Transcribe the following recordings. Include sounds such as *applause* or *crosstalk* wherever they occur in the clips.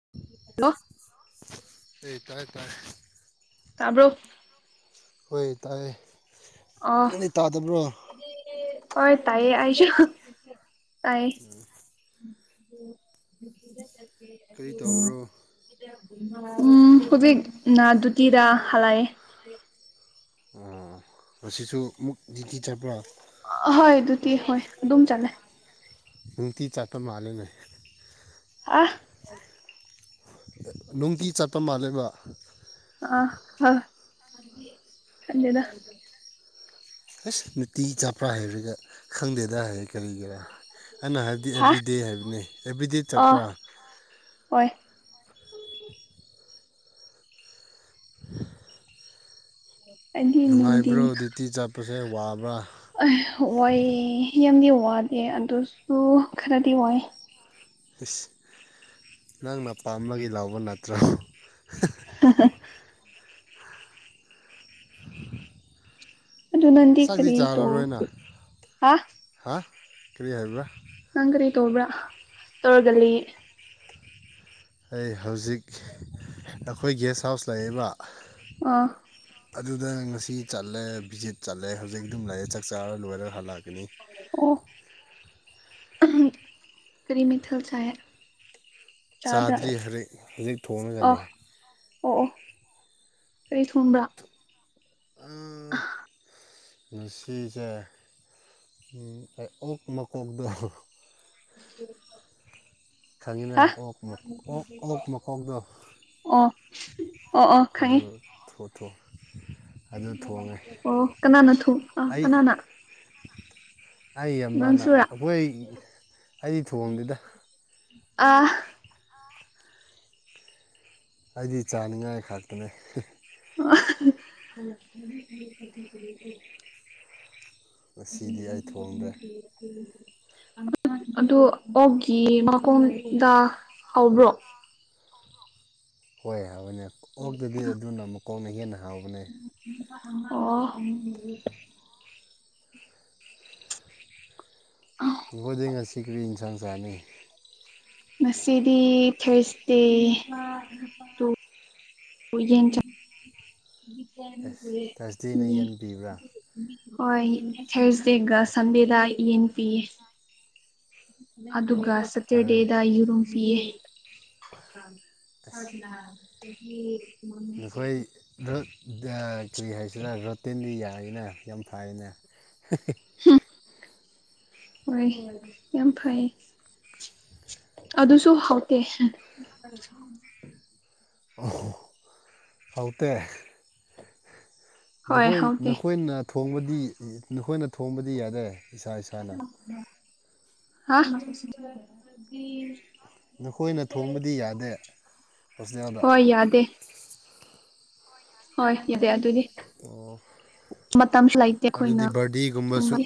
*unintelligible* ꯑꯦ ꯇꯥꯏ ꯇꯥꯏ ꯇꯥꯕ꯭ꯔꯣ ꯑꯣꯏꯣꯏ ꯇꯥꯏ ꯑ ꯍꯣꯏ ꯇꯥꯏꯌꯦ ꯑꯁ ꯇꯥꯏ ꯀꯔꯤ ꯇꯧꯕ꯭ꯔꯣ ꯎꯝ ꯍꯧꯕꯤꯛꯅꯅꯥ ꯇꯤꯗ ꯍꯂꯑꯦ ꯑꯣ ꯃꯁꯤꯁꯨ ꯑꯃꯨꯛ ꯖꯤꯇꯤ ꯆꯠꯄ꯭ꯔꯣ ꯍꯣꯏ ꯑꯗꯨꯗꯤ ꯍꯣꯏ ꯑꯗꯨꯝ ꯆꯠꯂꯦ ꯎꯨꯡꯇꯤ ꯆꯥꯇ ꯃꯥꯂꯅ ꯑ ꯅꯨꯡꯇꯤ ꯆꯠꯄ ꯃꯥꯜꯜꯂꯤꯕ ꯑꯥ ꯑ ꯀꯗ ꯑꯁ ꯅꯨꯡꯇꯤ ꯆꯥꯄ꯭ꯔꯥ ꯍꯥꯏꯔꯒ ꯈꯪꯗꯦꯗ ꯍꯥꯏꯔꯒ ꯀꯔꯤꯒꯤꯔꯥ ꯑꯩꯅ ꯍꯥꯏꯕꯗꯤ ꯍꯥ ꯑꯦꯕ꯭ꯔꯤꯗꯦ ꯍꯥꯏꯕꯅꯤ ꯑꯦꯕ꯭ꯔꯤꯗꯦ ꯑ ꯆꯠꯄ꯭ꯔꯥ ꯍꯣꯏ ꯑꯗꯤ ꯅꯗꯤꯟ ꯅꯨꯡꯉꯥꯏꯕ꯭ꯔꯣ ꯗ꯭ꯌꯨꯇꯤ ꯆꯠꯄꯁꯦ ꯋꯥꯕ꯭ꯔꯥ ꯑ ꯋꯥꯏ ꯑꯦ ꯌꯥꯝꯗꯤ ꯋꯥꯗꯦ ꯑꯗꯨꯁꯨ ꯈꯔꯗꯤ ꯋꯥꯏ ꯑꯁ ꯅꯪꯅꯄꯥꯥꯝꯕꯒꯤ ꯂꯥꯎꯕ ꯅꯠꯇ꯭ꯔꯣ ꯑꯗꯨ ꯑꯗꯨ ꯅꯗꯤꯤ ꯆꯥꯛꯇꯤ ꯀꯔꯤ ꯆꯥꯔꯔꯣꯏꯅ ꯍꯥꯥ ꯍꯥ ꯀꯔꯤ ꯍꯥꯏꯔꯤꯕ ꯅꯪ ꯀꯔꯤ ꯇꯕ꯭ꯔꯥ ꯇꯧꯔꯒꯜꯂꯤ ꯑꯩ ꯍꯧꯖꯤꯛ ꯑꯩꯈꯣꯏ ꯒꯦꯁ ꯍꯥꯎꯁ ꯂꯩꯑꯦꯕ ꯑ ꯑꯗꯨꯗ ꯉꯁꯤ ꯆꯠꯂꯦ ꯚꯤꯖꯤꯠ ꯆꯠꯂꯦ ꯍꯧꯖꯤꯛ ꯑꯗꯨꯝ ꯂꯩꯥꯑꯦ ꯆꯥꯛ ꯆꯥꯔ ꯂꯣꯏꯔ ꯍꯜꯂꯛꯀꯦ ꯑꯗꯨꯅꯤ ꯀꯔꯤꯃꯤꯊꯜ ꯆꯥꯏ ꯆꯥꯕ꯭ꯔꯥ ꯆꯥꯗ꯭ꯔꯤ ꯑ ꯍꯧꯖꯤꯛ ꯊꯣꯡꯉꯒ ꯂꯩ ꯑꯣ ꯑꯣ ꯀꯩ ꯊꯣꯡꯕ꯭ꯔꯥ ꯑ ꯉꯥꯁꯤꯁꯦ ꯑ ꯑꯣꯛ ꯃꯀꯣꯛꯇ‌ꯣ *unintelligible* ꯈꯪꯉꯤꯅ ꯍꯥ ꯑꯣꯛ ꯃ ꯑꯣꯛ ꯑꯣꯛ ꯃꯀꯣꯛꯗ‌ꯣ ꯑꯣ ꯑꯣ ꯑꯣ ꯈꯪꯉꯤ ꯇꯣ ꯑꯣ ꯀꯅꯥꯅ ꯊꯨ ꯑ ꯑꯩ ꯀꯅꯥꯅ ꯑꯩ ꯑꯃꯅ ꯅꯪꯁꯨꯔꯥ ꯑꯩꯈꯣꯏ ꯑꯩꯒꯤ ꯊꯣꯡꯗ‌ꯦꯗ ꯑ ꯑꯩꯗꯤ ꯆꯥꯅꯤꯡꯉꯥꯏ ꯈꯥꯛꯇꯅꯦ *unintelligible* ꯉꯁꯤꯗꯤ ꯑꯩ ꯊꯣꯡꯗ꯭ꯔꯦ *unintelligible* ꯑꯗꯨ ꯑꯣꯛꯒꯤ ꯃꯈꯣꯡꯗ ꯍꯧꯕ꯭ꯔꯣ ꯍꯣꯏ ꯍꯥꯎꯕꯅꯦ ꯑꯣꯛꯇꯗꯤ ꯑꯗꯨꯅ ꯃꯀꯣꯛꯅ ꯍꯦꯟꯅ ꯍꯥꯎꯕꯅꯦ ꯑꯣ ꯈꯣꯏꯗꯤ ꯉꯥꯁꯤ ꯀ꯭ꯔꯤ ꯏꯟꯁꯥꯡ ꯆꯥꯅꯤ ꯃꯁꯤꯗꯤ ꯊꯥ꯭ꫪꯁꯗ‌ꯦ ꯌꯦꯟ ꯑꯦꯁ ꯊꯔꯁꯗꯦꯅ ꯌꯦꯟꯕꯤꯕ꯭ꯔꯥ *unintelligible* ꯍꯣꯏ ꯊꯥ꯭ꯔꯁꯗꯦꯒ ꯁꯟꯗꯦꯗ ꯌꯦꯟ ꯄꯤꯌꯦ ꯑꯗꯨꯒ ꯐꯔꯦꯅꯦ ꯁꯇ꯭ꯔꯗꯦꯗ ꯌꯦꯔꯨꯝ ꯄꯤꯌꯦ ꯑꯁ ꯆꯍꯤ ꯅꯈꯣꯏ ꯔꯠ ꯀꯔꯤ ꯍꯥꯏꯁꯤꯅ ꯔꯠꯇꯤꯟꯗꯤꯌꯥ ꯐꯅ ꯌꯥꯝ ꯐꯥꯏꯅ ꯍꯣꯏ ꯌꯥꯝ ꯐꯩ ꯑꯗꯨꯁꯨ ꯍꯥꯎꯇꯦ ꯍꯥꯎꯇ‌ꯦ ꯍꯣꯏ ꯅꯈꯣꯏ ꯍꯥꯎꯇꯦ ꯅꯈꯣꯏꯅ ꯊꯣꯡꯕꯗꯤ ꯅꯈꯣꯏꯅ ꯊꯣꯡꯕꯗꯤ ꯌꯥꯗ꯭ꯔꯦ ꯏꯁꯥ ꯏꯁꯥꯅ ꯍꯥ *unintelligible* ꯅꯈꯣꯏꯅ ꯊꯣꯡꯕꯗꯤ ꯌꯥꯗꯦ ꯍꯣꯁꯇꯦꯜꯗ ꯍ‌ꯣꯏ ꯌꯥꯗꯦ ꯍꯣꯏ ꯌꯥꯗꯤ ꯑꯗꯨꯗꯤ ꯑꯣ ꯃꯇꯝꯁꯨ ꯂꯩꯇꯦ ꯑꯩꯈꯣꯏꯅ ꯑꯗꯨꯗꯤ ꯕꯥ꯭ꯔꯗꯤꯒꯨꯝꯕꯁꯨ ꯊꯨꯝꯕꯒꯤ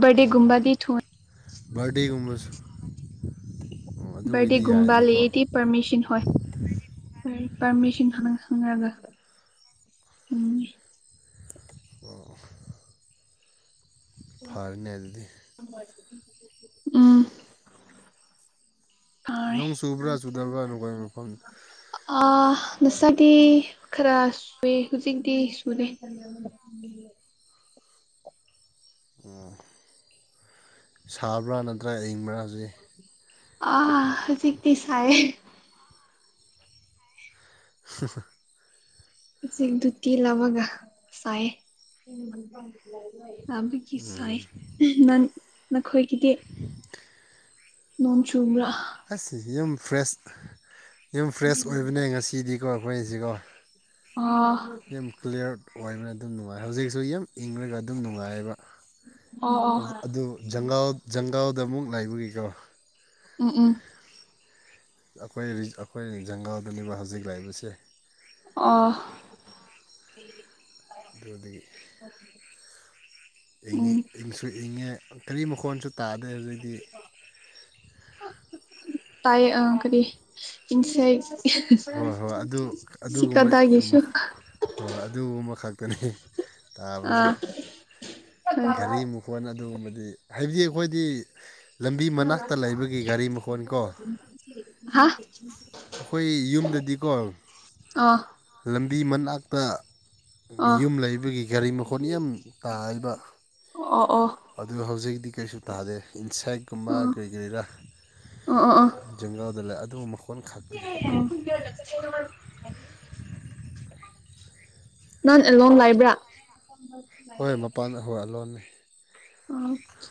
ꯕꯔꯗꯦꯒꯨꯝꯕꯗꯤ ꯊꯨꯏ ꯕꯥ꯭ꯔꯗꯤꯒꯨꯝꯕꯁꯨ ꯕꯥ꯭ꯔꯗꯦꯒꯨꯝꯕ ꯌꯥꯔꯅꯤꯀꯣ ꯂꯩꯗꯤ ꯄꯥ꯭ꯔꯃꯤꯁꯟ ꯍ‌ꯣꯏ ꯄꯥꯔꯃꯤꯁꯟ ꯈꯪꯉꯒ ꯎꯝ ꯑꯣ ꯐꯥꯔ‌ꯦꯅꯦ ꯑꯗꯨꯗꯤ ꯎꯝ ꯐꯔꯦ ꯅ‌ꯣꯡ ꯆꯨꯕ꯭ꯔꯥ ꯆꯨꯗꯕ꯭ꯔꯥ ꯅꯈꯣꯏ ꯃꯐꯝ ꯅꯁꯥꯗꯤ ꯈꯔ ꯁꯨꯏꯦ ꯍꯧꯖꯤꯛꯇꯤ ꯁꯨꯗꯦ ꯑꯣ ꯁꯥꯕ꯭ꯔꯥ ꯅꯠꯇ꯭ꯔꯥ ꯑꯏꯪꯕ꯭ꯔꯥ ꯍꯧꯖꯤꯛ ꯑ ꯍꯧꯖꯤꯛꯇꯤ ꯁꯥꯏ ꯑꯦ *inaudible* ꯁꯤꯒꯗꯨꯇꯤꯂ ꯃꯒ ꯁꯥꯏꯦ ꯂꯕꯒꯤ ꯁꯥꯏ ꯅꯪ ꯅꯈꯣꯏꯒꯤꯗꯤ ꯅꯣꯡ ꯆꯨꯝꯕ꯭ꯔꯥ ꯑꯁ ꯌꯨꯝ ꯐ꯭ꯔꯦꯁ ꯌꯨꯝ ꯐ꯭ꯔꯦꯁ ꯑꯣꯏꯕꯅꯦ ꯉꯁꯤꯗꯤꯀꯣ ꯑꯩꯁꯤꯒꯣ ꯑꯥ ꯑꯣꯏꯕꯅ ꯑꯗꯨꯝ ꯅꯨꯡꯉꯥꯏ ꯍꯧꯖꯤꯛꯁꯨ ꯌꯥꯝ ꯏꯪꯉꯒ ꯑꯗꯨꯝ ꯅꯨꯡꯉꯥꯏꯕ ꯑꯣ ꯑꯣ ꯑꯗꯨ ꯖꯪꯒꯥꯜꯗ ꯑꯃꯨꯛ ꯂꯥꯏꯕꯒꯤꯀꯣ ꯎꯝ ꯎꯝ ꯑꯩꯈꯣꯏ ꯑꯩꯈꯣꯏ ꯖꯪꯒꯜꯗꯅꯦꯕ ꯍꯧꯖꯤꯛ ꯂꯥꯛꯏꯕꯁꯦ ꯑ ꯑꯗꯨꯗꯤ ꯑ ꯏꯤ ꯏꯪꯁꯨ ꯏꯉꯦ ꯀꯔꯤ ꯃꯈꯣꯟꯁꯨ ꯇꯥꯗꯦ ꯍꯧꯩꯗꯤ ꯇꯥꯏ ꯑ ꯀꯔꯤ ꯏꯟꯁꯥꯏ ꯍꯣꯏ ꯍꯣꯏ ꯁꯤꯀꯗꯒꯦꯁꯨꯣ ꯍꯣꯏꯣꯏ ꯑꯗꯨ ꯑꯃꯈꯛꯇꯅꯤ ꯇꯥꯕꯁꯦ ꯑ ꯘꯔꯤ ꯃꯈꯣꯟ ꯑꯗꯨꯒꯨꯝꯕꯗꯤ ꯍꯥꯏꯕꯗꯤ ꯑꯩꯈꯣꯏꯗꯤ ꯂꯝꯕꯤ ꯃꯅꯥꯛꯇ ꯂꯩꯕꯒꯤ ꯒꯥꯔꯤ ꯃꯈꯣꯟ ꯀꯣ ꯍꯥ ꯑꯩꯈꯣꯏ ꯌꯨꯝꯗꯗꯤꯀꯣ ꯑ ꯂꯝꯕꯤ ꯃꯅꯥꯛꯇ ꯑ ꯌꯨꯝ ꯂꯩꯕꯒꯤ ꯒꯥꯔꯤ ꯃꯈꯣꯠ ꯌꯥꯝ ꯇꯥꯕ ꯑꯣ ꯑꯣ ꯑꯗꯨ ꯍꯧꯖꯤꯛꯇꯤ ꯀꯩꯁꯨ ꯇꯥꯗꯦ ꯁꯥꯏꯠꯀꯨꯝꯕ ꯀꯔꯤ ꯀꯔꯤꯔꯥ ꯑꯣ ꯑꯣ ꯑꯣ ꯑꯣ ꯖꯪꯒꯜꯗ ꯂꯩ ꯑꯗꯨꯒꯨꯝꯕ ꯀꯣꯟ ꯈꯥꯛꯅꯦ ꯅꯥꯟ ꯑꯦꯜꯣ ꯂꯥꯏꯕ꯭ꯔꯥ ꯍꯣꯏ ꯍꯣꯏ ꯃꯄꯥꯟ ꯍꯣꯏ ꯂꯣꯟꯅꯤ ꯑ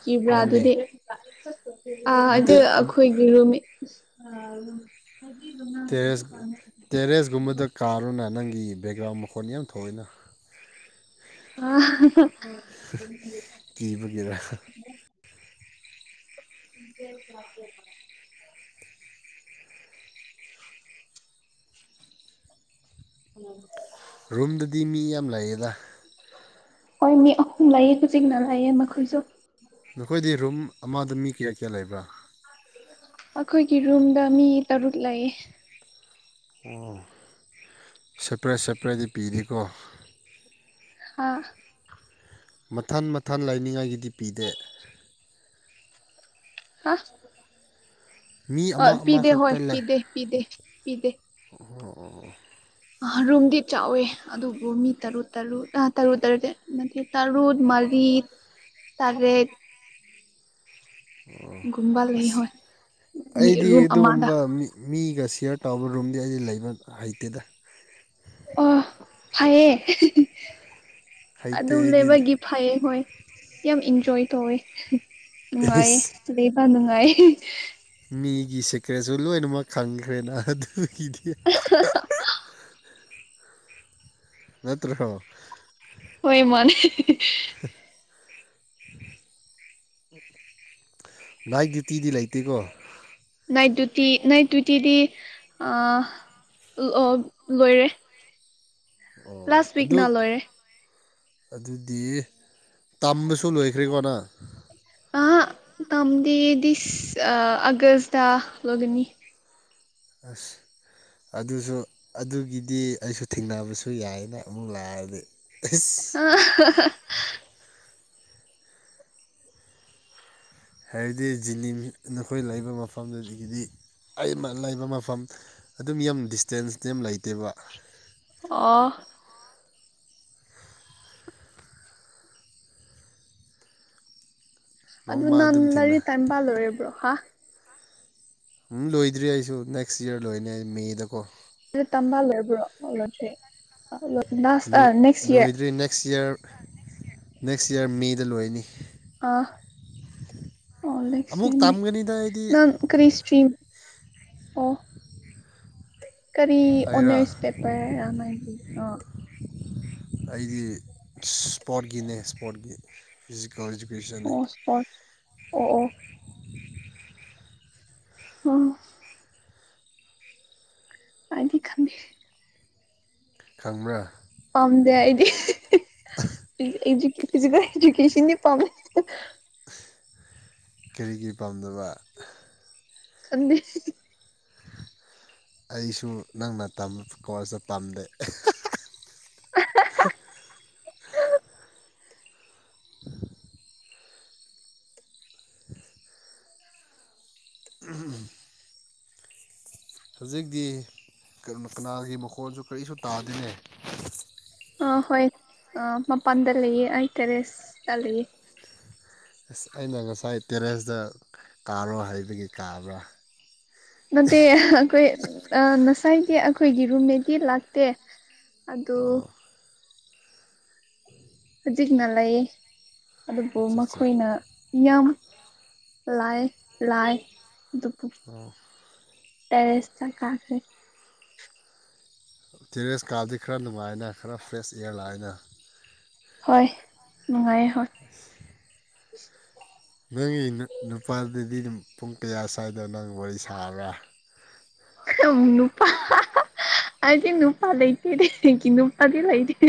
ꯀꯤꯕ꯭ꯔꯥ ꯅꯪꯗꯤ ꯑꯗꯨꯗꯤ ꯑ ꯑꯗꯨ ꯅꯠꯇꯦ ꯑꯩꯈꯣꯏꯒꯤ ꯔꯨꯝ ꯑ ꯇꯦꯔꯦꯁ ꯇꯦꯔꯦꯁꯀꯨꯝꯕꯗ ꯀꯥꯔꯨꯅ ꯅꯪꯒꯤ ꯕꯦꯛꯒ꯭ꯔꯥꯎꯟ ꯐꯣꯟ ꯌꯥꯝ ꯊꯣꯛꯑꯏꯅ ꯀꯤꯕꯒꯤꯔ ꯑ ꯏꯖꯦꯇꯦ ꯎ ꯔꯨꯝꯗꯗꯤ ꯃꯤ ꯌꯥꯝ ꯂꯩꯌꯦꯦꯗ ꯍꯣꯏ ꯃꯤ ꯑꯍꯨꯝ ꯂꯌꯦ ꯍꯧꯖꯤꯛꯅ ꯂꯌꯦ ꯃꯈꯣꯏꯁꯨ ꯅꯈꯣꯏꯗꯤ ꯔꯨꯝ ꯑꯃꯗ ꯃꯤ ꯀꯌꯥ ꯀꯌꯥ ꯂꯩꯕ꯭ꯔꯥ ꯑꯩꯈꯣꯏꯒꯤ ꯔꯨꯝꯗ ꯃꯤ ꯇꯔꯨꯛ ꯂꯩ ꯑꯣ ꯁꯦꯄꯔꯦꯠ ꯁꯦꯄꯔꯦꯠꯗꯤ ꯄꯤꯔꯤꯀꯣ ꯍꯥꯥ ꯃꯊꯟ ꯃꯊꯟ ꯂꯥꯏꯅꯤꯡꯉꯥꯏꯒꯤꯗꯤ ꯄꯤꯗꯦ ꯍꯥ ꯃꯤ ꯑ ꯑꯃ ꯄꯤꯗꯦ ꯍꯣꯏ ꯑꯃꯈꯛꯇ ꯂꯩ ꯄꯤꯗꯦ ꯄꯤꯗꯦ ꯄꯤꯗꯦ ꯑꯣ ꯑꯣ ꯑꯣ ꯔꯨꯝꯗꯤ ꯆꯥꯎꯋꯦ ꯑꯗꯨꯕꯨ ꯃꯤ ꯇꯔꯨꯛ ꯇꯔꯨ ꯇꯔꯨ ꯇꯔꯨ ꯅ ꯇꯔꯨꯠ ꯃꯔꯤ ꯇꯔꯦ ꯑꯣ ꯂꯩ ꯑꯁ ꯍꯣꯏ ꯃꯤ ꯑꯩꯗꯤ ꯔꯨꯝ ꯑꯃꯗ ꯑꯗꯨꯒꯨꯝꯕ ꯃꯤ ꯃꯤꯒ ꯁꯤꯌꯔ ꯇꯧꯕ ꯔꯨꯝꯗꯤ ꯑꯩꯗꯤ ꯂꯩꯕ ꯍꯩꯇꯦꯗ ꯑ ꯐꯌꯦꯌꯦ ꯍꯩꯇꯦ ꯑꯗꯨꯝ ꯑꯩꯗꯤ ꯂꯩꯕꯒꯤ ꯐꯩꯌꯦ ꯍꯣꯏ ꯌꯥꯝ ꯏꯟꯖꯣꯏ ꯇꯧꯋꯦ ꯅꯨꯡꯉꯥꯏꯦ ꯏꯁ ꯂꯩꯕ ꯅꯨꯡꯉꯥꯏꯌꯦ ꯃꯤꯒꯤ ꯁꯦꯀ꯭ꯔꯦꯠꯁꯨ ꯂꯣꯏꯅꯃꯛ ꯈꯪꯈ꯭ꯔꯦꯅ ꯑꯗꯨꯒꯤꯗꯤ ꯅꯠꯇ꯭ꯔꯣ ꯑꯣꯏ ꯃꯅꯤ ꯏꯛꯗꯤꯇꯤꯗꯤ ꯂꯩꯇꯦꯀꯣ ꯅꯥꯏꯠ ꯗꯌꯨꯇꯤ ꯅꯥꯏꯠ ꯗꯌꯨꯇꯤꯗꯤ ꯑ ꯑꯣ ꯂꯣꯏꯔꯦ ꯑꯣ ꯂꯥꯁ ꯎꯤꯛ ꯑꯗꯨ ꯅ ꯂꯣꯏꯔꯦ ꯑꯗꯨꯗꯤ ꯇꯝꯕꯁꯨ ꯂꯣꯏꯈ꯭ꯔꯦꯀꯣꯅ ꯑ ꯇꯝꯗꯤꯗꯤꯁ ꯑꯒꯁꯗꯥ ꯂꯒꯅꯤ ꯑꯁ ꯑꯗꯨꯁꯨ ꯑꯗꯨꯒꯤꯗꯤ ꯑꯩꯁꯨ ꯊꯦꯡꯅꯕꯁꯨ ꯌꯥꯏꯅ ꯑꯃꯨꯛ ꯂꯥꯛꯑꯗꯤ ꯏꯁ ꯑ ꯍꯥꯏꯕꯗꯤ ꯖꯤꯅꯤꯝꯁ ꯅꯈꯣꯏ ꯂꯩꯕ ꯃꯐꯝꯗꯨꯗꯒꯤꯗꯤ ꯑꯩꯩꯅ ꯂꯩꯕ ꯃꯐꯝ ꯑꯗꯨꯝ ꯌꯥꯝ ꯗꯤꯁꯇꯦꯟꯁꯇ ꯌꯥꯝ ꯂꯩꯇꯦꯕ ꯑ ꯑꯗꯨ ꯅꯣꯡꯃ ꯅꯥꯟ ꯑꯗꯨꯝ ꯊꯤꯟꯅ ꯂꯥꯏꯔꯤꯛ ꯇꯥꯏꯝꯕꯥ ꯂꯣꯏꯔꯕ꯭ꯔꯣ ꯍꯥ ꯎꯝ ꯂꯣꯏꯗ꯭ꯔꯤ ꯑꯩꯁꯨ ꯅꯦꯛꯁ ꯏꯔ ꯂꯣꯏꯅꯦ ꯑꯩ ꯃꯦꯗꯀꯣ ꯣꯜꯂꯣ ꯂꯣꯏꯗ꯭ꯔꯤ ꯅꯦꯛꯁ ꯏꯔ ꯅꯦꯛꯁ ꯏꯌꯥꯔ ꯃꯦꯗ ꯂꯣꯏꯅꯤ ꯑꯥ ꯑꯣꯁ ꯑꯃꯨꯛ ꯇꯝꯒꯅꯤꯗ ꯑꯩꯗꯤ ꯅ ꯀꯔꯤ ꯁꯇꯔꯤ ꯑꯣ ꯀꯔꯤ ꯑꯩꯔꯥ ꯑꯣꯅꯔꯁ ꯄꯦꯄꯔꯒꯤ ꯑ ꯑꯩꯗꯤ ꯏꯁꯄꯣꯔꯠꯀꯤꯅꯦ ꯏꯁꯄꯣꯔꯠꯀꯤ ꯏꯗꯨꯀꯦꯁꯟꯅꯤ ꯑꯣ ꯏꯁꯄ ꯑꯣ ꯑꯣ ꯑꯣ ꯑꯅꯤ ꯈ ꯈꯪꯕ꯭ꯔꯥ ꯄꯝꯗꯦ ꯑꯩꯗꯤꯗꯤ ꯐꯤꯖꯤꯀꯦꯜ ꯏꯗꯀꯦꯁꯟꯅꯤ ꯄꯥꯝꯃꯦ ꯀꯔꯤꯒꯤꯔꯤ ꯄꯥꯝꯕ ꯀꯗ ꯑꯩꯁꯨ ꯅꯪꯅ ꯇꯝꯕ ꯀꯣꯁꯇ ꯄꯥꯝꯗꯦ *unintelligible* *unintelligible* ꯎꯝ ꯍꯧꯖꯤꯛꯇꯤ ꯀꯅꯥꯒꯤ ꯃꯈꯣꯜꯁꯨ ꯀꯔꯤꯁꯨ ꯇꯥꯗꯦꯅꯦ ꯑꯥ ꯍꯣꯏ ꯑꯥ ꯃꯄꯥꯟꯗ ꯂꯩꯌꯦ ꯑꯩ ꯀꯦꯔꯦꯁꯇ ꯂꯩꯌꯦ ꯑꯁ ꯑꯩꯅ ꯉꯁꯥꯏ ꯇꯦꯔꯦꯁꯇ ꯀꯥꯔꯣ ꯍꯥꯏꯕꯒꯤ ꯀꯥꯕ꯭ꯔꯥ ꯅꯠꯇꯦ ꯑꯩꯈꯣꯏ ꯉꯁꯥꯏꯒꯤ ꯑꯩꯈꯣꯏꯒꯤ ꯔꯨꯝꯃꯦꯗꯤ ꯂꯥꯛꯇꯦ ꯑꯗꯣ ꯑꯣ ꯍꯧꯖꯤꯛꯅ ꯂꯩ ꯑꯗꯨꯕꯨ ꯑꯠꯆꯥ ꯑꯠꯆꯥ ꯃꯈꯣꯏꯅ ꯌꯥꯝ ꯂꯥꯏ ꯂꯥꯏ ꯣꯄꯨ ꯑꯣ ꯇꯦꯔꯦꯁꯇ ꯀꯥꯈꯦ ꯇꯦꯔꯦꯁ ꯀꯥꯔꯗꯤ ꯈꯔ ꯅꯨꯡꯉꯥꯏꯅ ꯈꯔ ꯐ꯭ꯔꯦꯁ ꯏꯌꯥꯔ ꯂꯥꯛꯑꯏꯅ ꯍꯣꯏ ꯅꯨꯡꯉꯥꯏꯦ ꯍꯣꯏ ꯅꯪꯒꯤ ꯅꯨꯄꯥꯗꯨꯗꯤ ꯄꯨꯡ ꯀꯌꯥ ꯁ꯭ꯋꯥꯏꯗ ꯅꯪ ꯋꯥꯔꯤ ꯁꯥꯔꯒ ꯑꯅ *unintelligible* ꯑꯩ ꯀ ꯅꯨꯄꯥ ꯂꯩ ꯂꯩꯇꯦꯔꯦ ꯀ ꯅꯨꯄꯥꯗ ꯂꯩꯇꯦ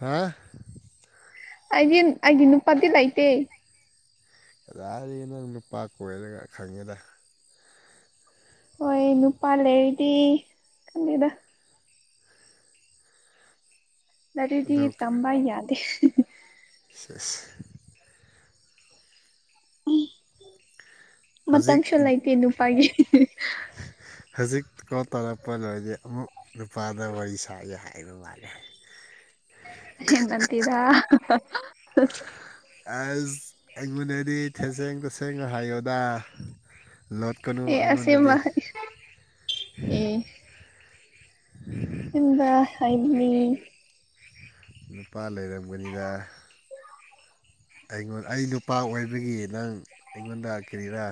ꯍꯥꯥ ꯑꯩꯗꯤ ꯑꯩꯒꯤ ꯅꯨꯄꯥꯗꯤ ꯂꯥꯏꯇꯦ ꯀꯗꯥꯔꯤ ꯅꯪ ꯅꯨꯄꯥ ꯀꯣꯏꯔꯒ ꯈꯪꯉꯦꯗ ꯍꯣꯏ ꯅꯨꯄꯥ ꯂꯩꯔꯗꯤ ꯈꯗꯗ ꯑꯗꯨꯗꯤꯗꯤ ꯑꯗꯨ ꯇꯝꯕ ꯌꯥꯗꯦ ꯑ ꯎꯝ ꯍꯧꯖꯤꯛ ꯃꯇꯝꯁꯨ ꯂꯩꯇꯦ ꯅꯨꯄꯥꯒꯤ ꯍꯧꯖꯤꯛ ꯀꯣ ꯇꯧꯔꯛꯄ ꯂꯣꯏꯔꯗꯤ ꯑꯃꯨꯛ ꯅꯨꯄꯥꯗ ꯋꯥꯔꯤ ꯁꯥꯥꯏꯒꯦ ꯍꯥꯏꯕ ꯃꯥꯂꯦ ꯌꯦꯅꯇꯤꯗ ꯑꯖ ꯑꯩꯉꯣꯟꯗꯗꯤ ꯊꯦꯁꯦꯡ ꯇꯁꯦꯡꯅ ꯍꯥꯏꯌꯣꯗ ꯂꯣꯠꯀꯅꯨ ꯑꯦ ꯑꯩꯉꯣꯟꯗꯗꯤ ꯑꯁꯦꯡꯕ ꯑꯦ ꯑꯁꯦꯡꯕ ꯍꯥꯏꯕꯅꯤ ꯅꯨꯄꯥ ꯂꯩꯔꯝꯒꯅꯤꯗ ꯑꯩꯉꯣꯟ ꯑꯩ ꯅꯨꯄꯥ ꯑꯣꯏꯕꯒꯤ ꯅꯪ ꯑꯩꯉꯣꯟꯗ ꯀꯔꯤꯔꯥ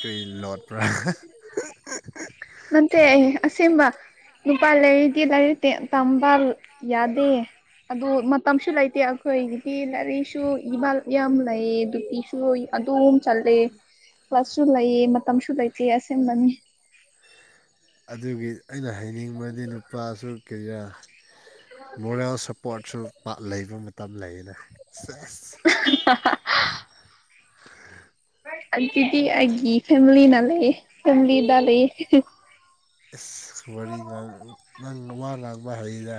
ꯀꯔꯤ ꯂꯣꯠ ꯃꯠꯇꯦ ꯑꯁꯤꯁꯝꯕ ꯂꯨꯄꯥ ꯂꯩꯥꯏꯔꯤꯗꯤ ꯂꯥꯏꯔꯤꯛ ꯇꯝꯕ ꯌꯥꯗꯦ ꯑꯗꯨ ꯃꯇꯝꯁꯨ ꯂꯩꯇꯦ ꯑꯩꯈꯣꯏꯒꯤꯗꯤ ꯂꯥꯏꯔꯤꯛꯁꯨ ꯏꯃꯥ ꯌꯥꯝ ꯂꯩ ꯑꯗꯨꯒꯤꯁꯨ ꯑꯗꯨꯝ ꯆꯠꯂꯦ ꯀ꯭ꯂꯁꯁꯨ ꯂꯩꯌꯦ ꯃꯇꯝꯁꯨ ꯂꯩ ꯌꯦꯌꯥꯁꯦ ꯍꯕꯅꯤ ꯑꯗꯨꯒꯤ ꯑꯩꯅ ꯍꯥꯏꯅꯤꯡꯕꯗꯤ ꯅꯨꯄꯥꯁꯨ ꯀꯌꯥ ꯃꯣꯔꯦꯜ ꯁꯞꯄꯣꯔꯠꯁꯨ ꯂꯩꯕ ꯃꯇꯝ ꯂꯩꯌꯦꯅ ꯁꯁ ꯤꯗꯤ ꯍꯥꯏꯒꯤ ꯐꯦꯃꯤꯂꯤ ꯅ ꯂꯩꯦ ꯐꯦꯃꯤꯂꯤꯗ ꯂꯩꯦ ꯏꯁꯁ ꯋꯥꯔꯤ ꯅꯪ ꯃꯋꯥ ꯉꯥꯡꯕ ꯍꯔ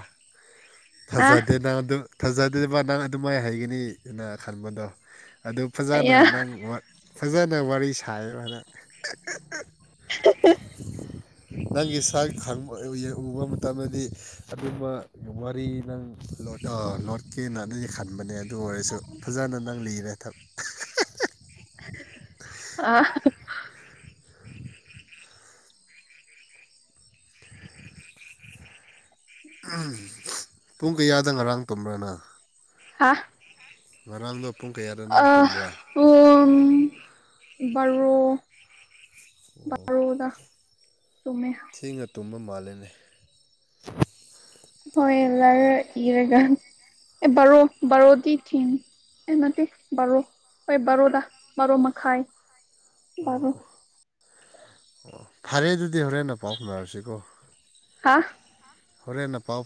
ꯑ ꯊꯥꯖꯗꯦ ꯅꯪ ꯊꯥꯖꯗꯦꯕ ꯅꯪ ꯑꯗꯨꯃꯥꯏ ꯍꯩꯒꯅꯤꯅ ꯈꯟꯕꯗꯣ ꯑꯗꯨ ꯐꯖꯅ ꯑꯌꯥ ꯅꯪ ꯐꯖꯅ ꯋꯥꯔꯤ ꯁꯥꯏꯌꯦꯅ *inaudible* ꯅꯪꯒꯤ ꯁꯥ ꯈꯪꯕ ꯎꯕ ꯃꯇꯝꯗꯗꯤ ꯑꯗꯨꯝꯕ ꯋꯥꯔꯤ ꯅꯪ ꯂꯣꯠꯀꯦꯅ ꯈꯟꯕꯅꯦ ꯑꯗꯨ ꯑꯣꯏꯔꯁꯨ ꯐꯖꯅ ꯅꯪ ꯂꯤꯔꯦ ꯊꯕ ꯑ *unintelligible* ꯎ ꯄꯨꯡ ꯀꯌꯥꯗ ꯉꯔꯥꯡ ꯇꯣꯝꯕ꯭ꯔꯅ ꯍꯥ ꯃꯔꯔꯜꯗ ꯑ ꯄꯨꯡ ꯔꯣ ꯑꯣ ꯇꯔꯧꯗ ꯊꯦꯡꯅ ꯇꯨꯝꯕ ꯃꯥꯜꯂꯤꯅꯤ ꯍꯣꯏ ꯂꯔ ꯏꯔꯒ ꯑꯦ ꯕꯥꯔꯣ ꯕꯥꯔꯣꯗꯤ ꯊꯝ ꯅꯠꯇꯦ ꯕꯥꯔꯣ ꯍꯣꯏ ꯕꯥꯔꯣꯗ ꯕꯥꯔꯣ ꯃꯈꯥꯏ ꯕꯣ ꯑꯣ ꯐꯔꯦ ꯑꯗꯨꯗꯤ ꯍꯣꯔꯦꯟꯟꯅ ꯄꯥꯎ ꯐꯥꯎꯅꯔꯁꯤꯀꯣ ꯍꯥ ꯍꯣꯔꯦꯟꯦꯅꯥꯄꯥꯥꯎ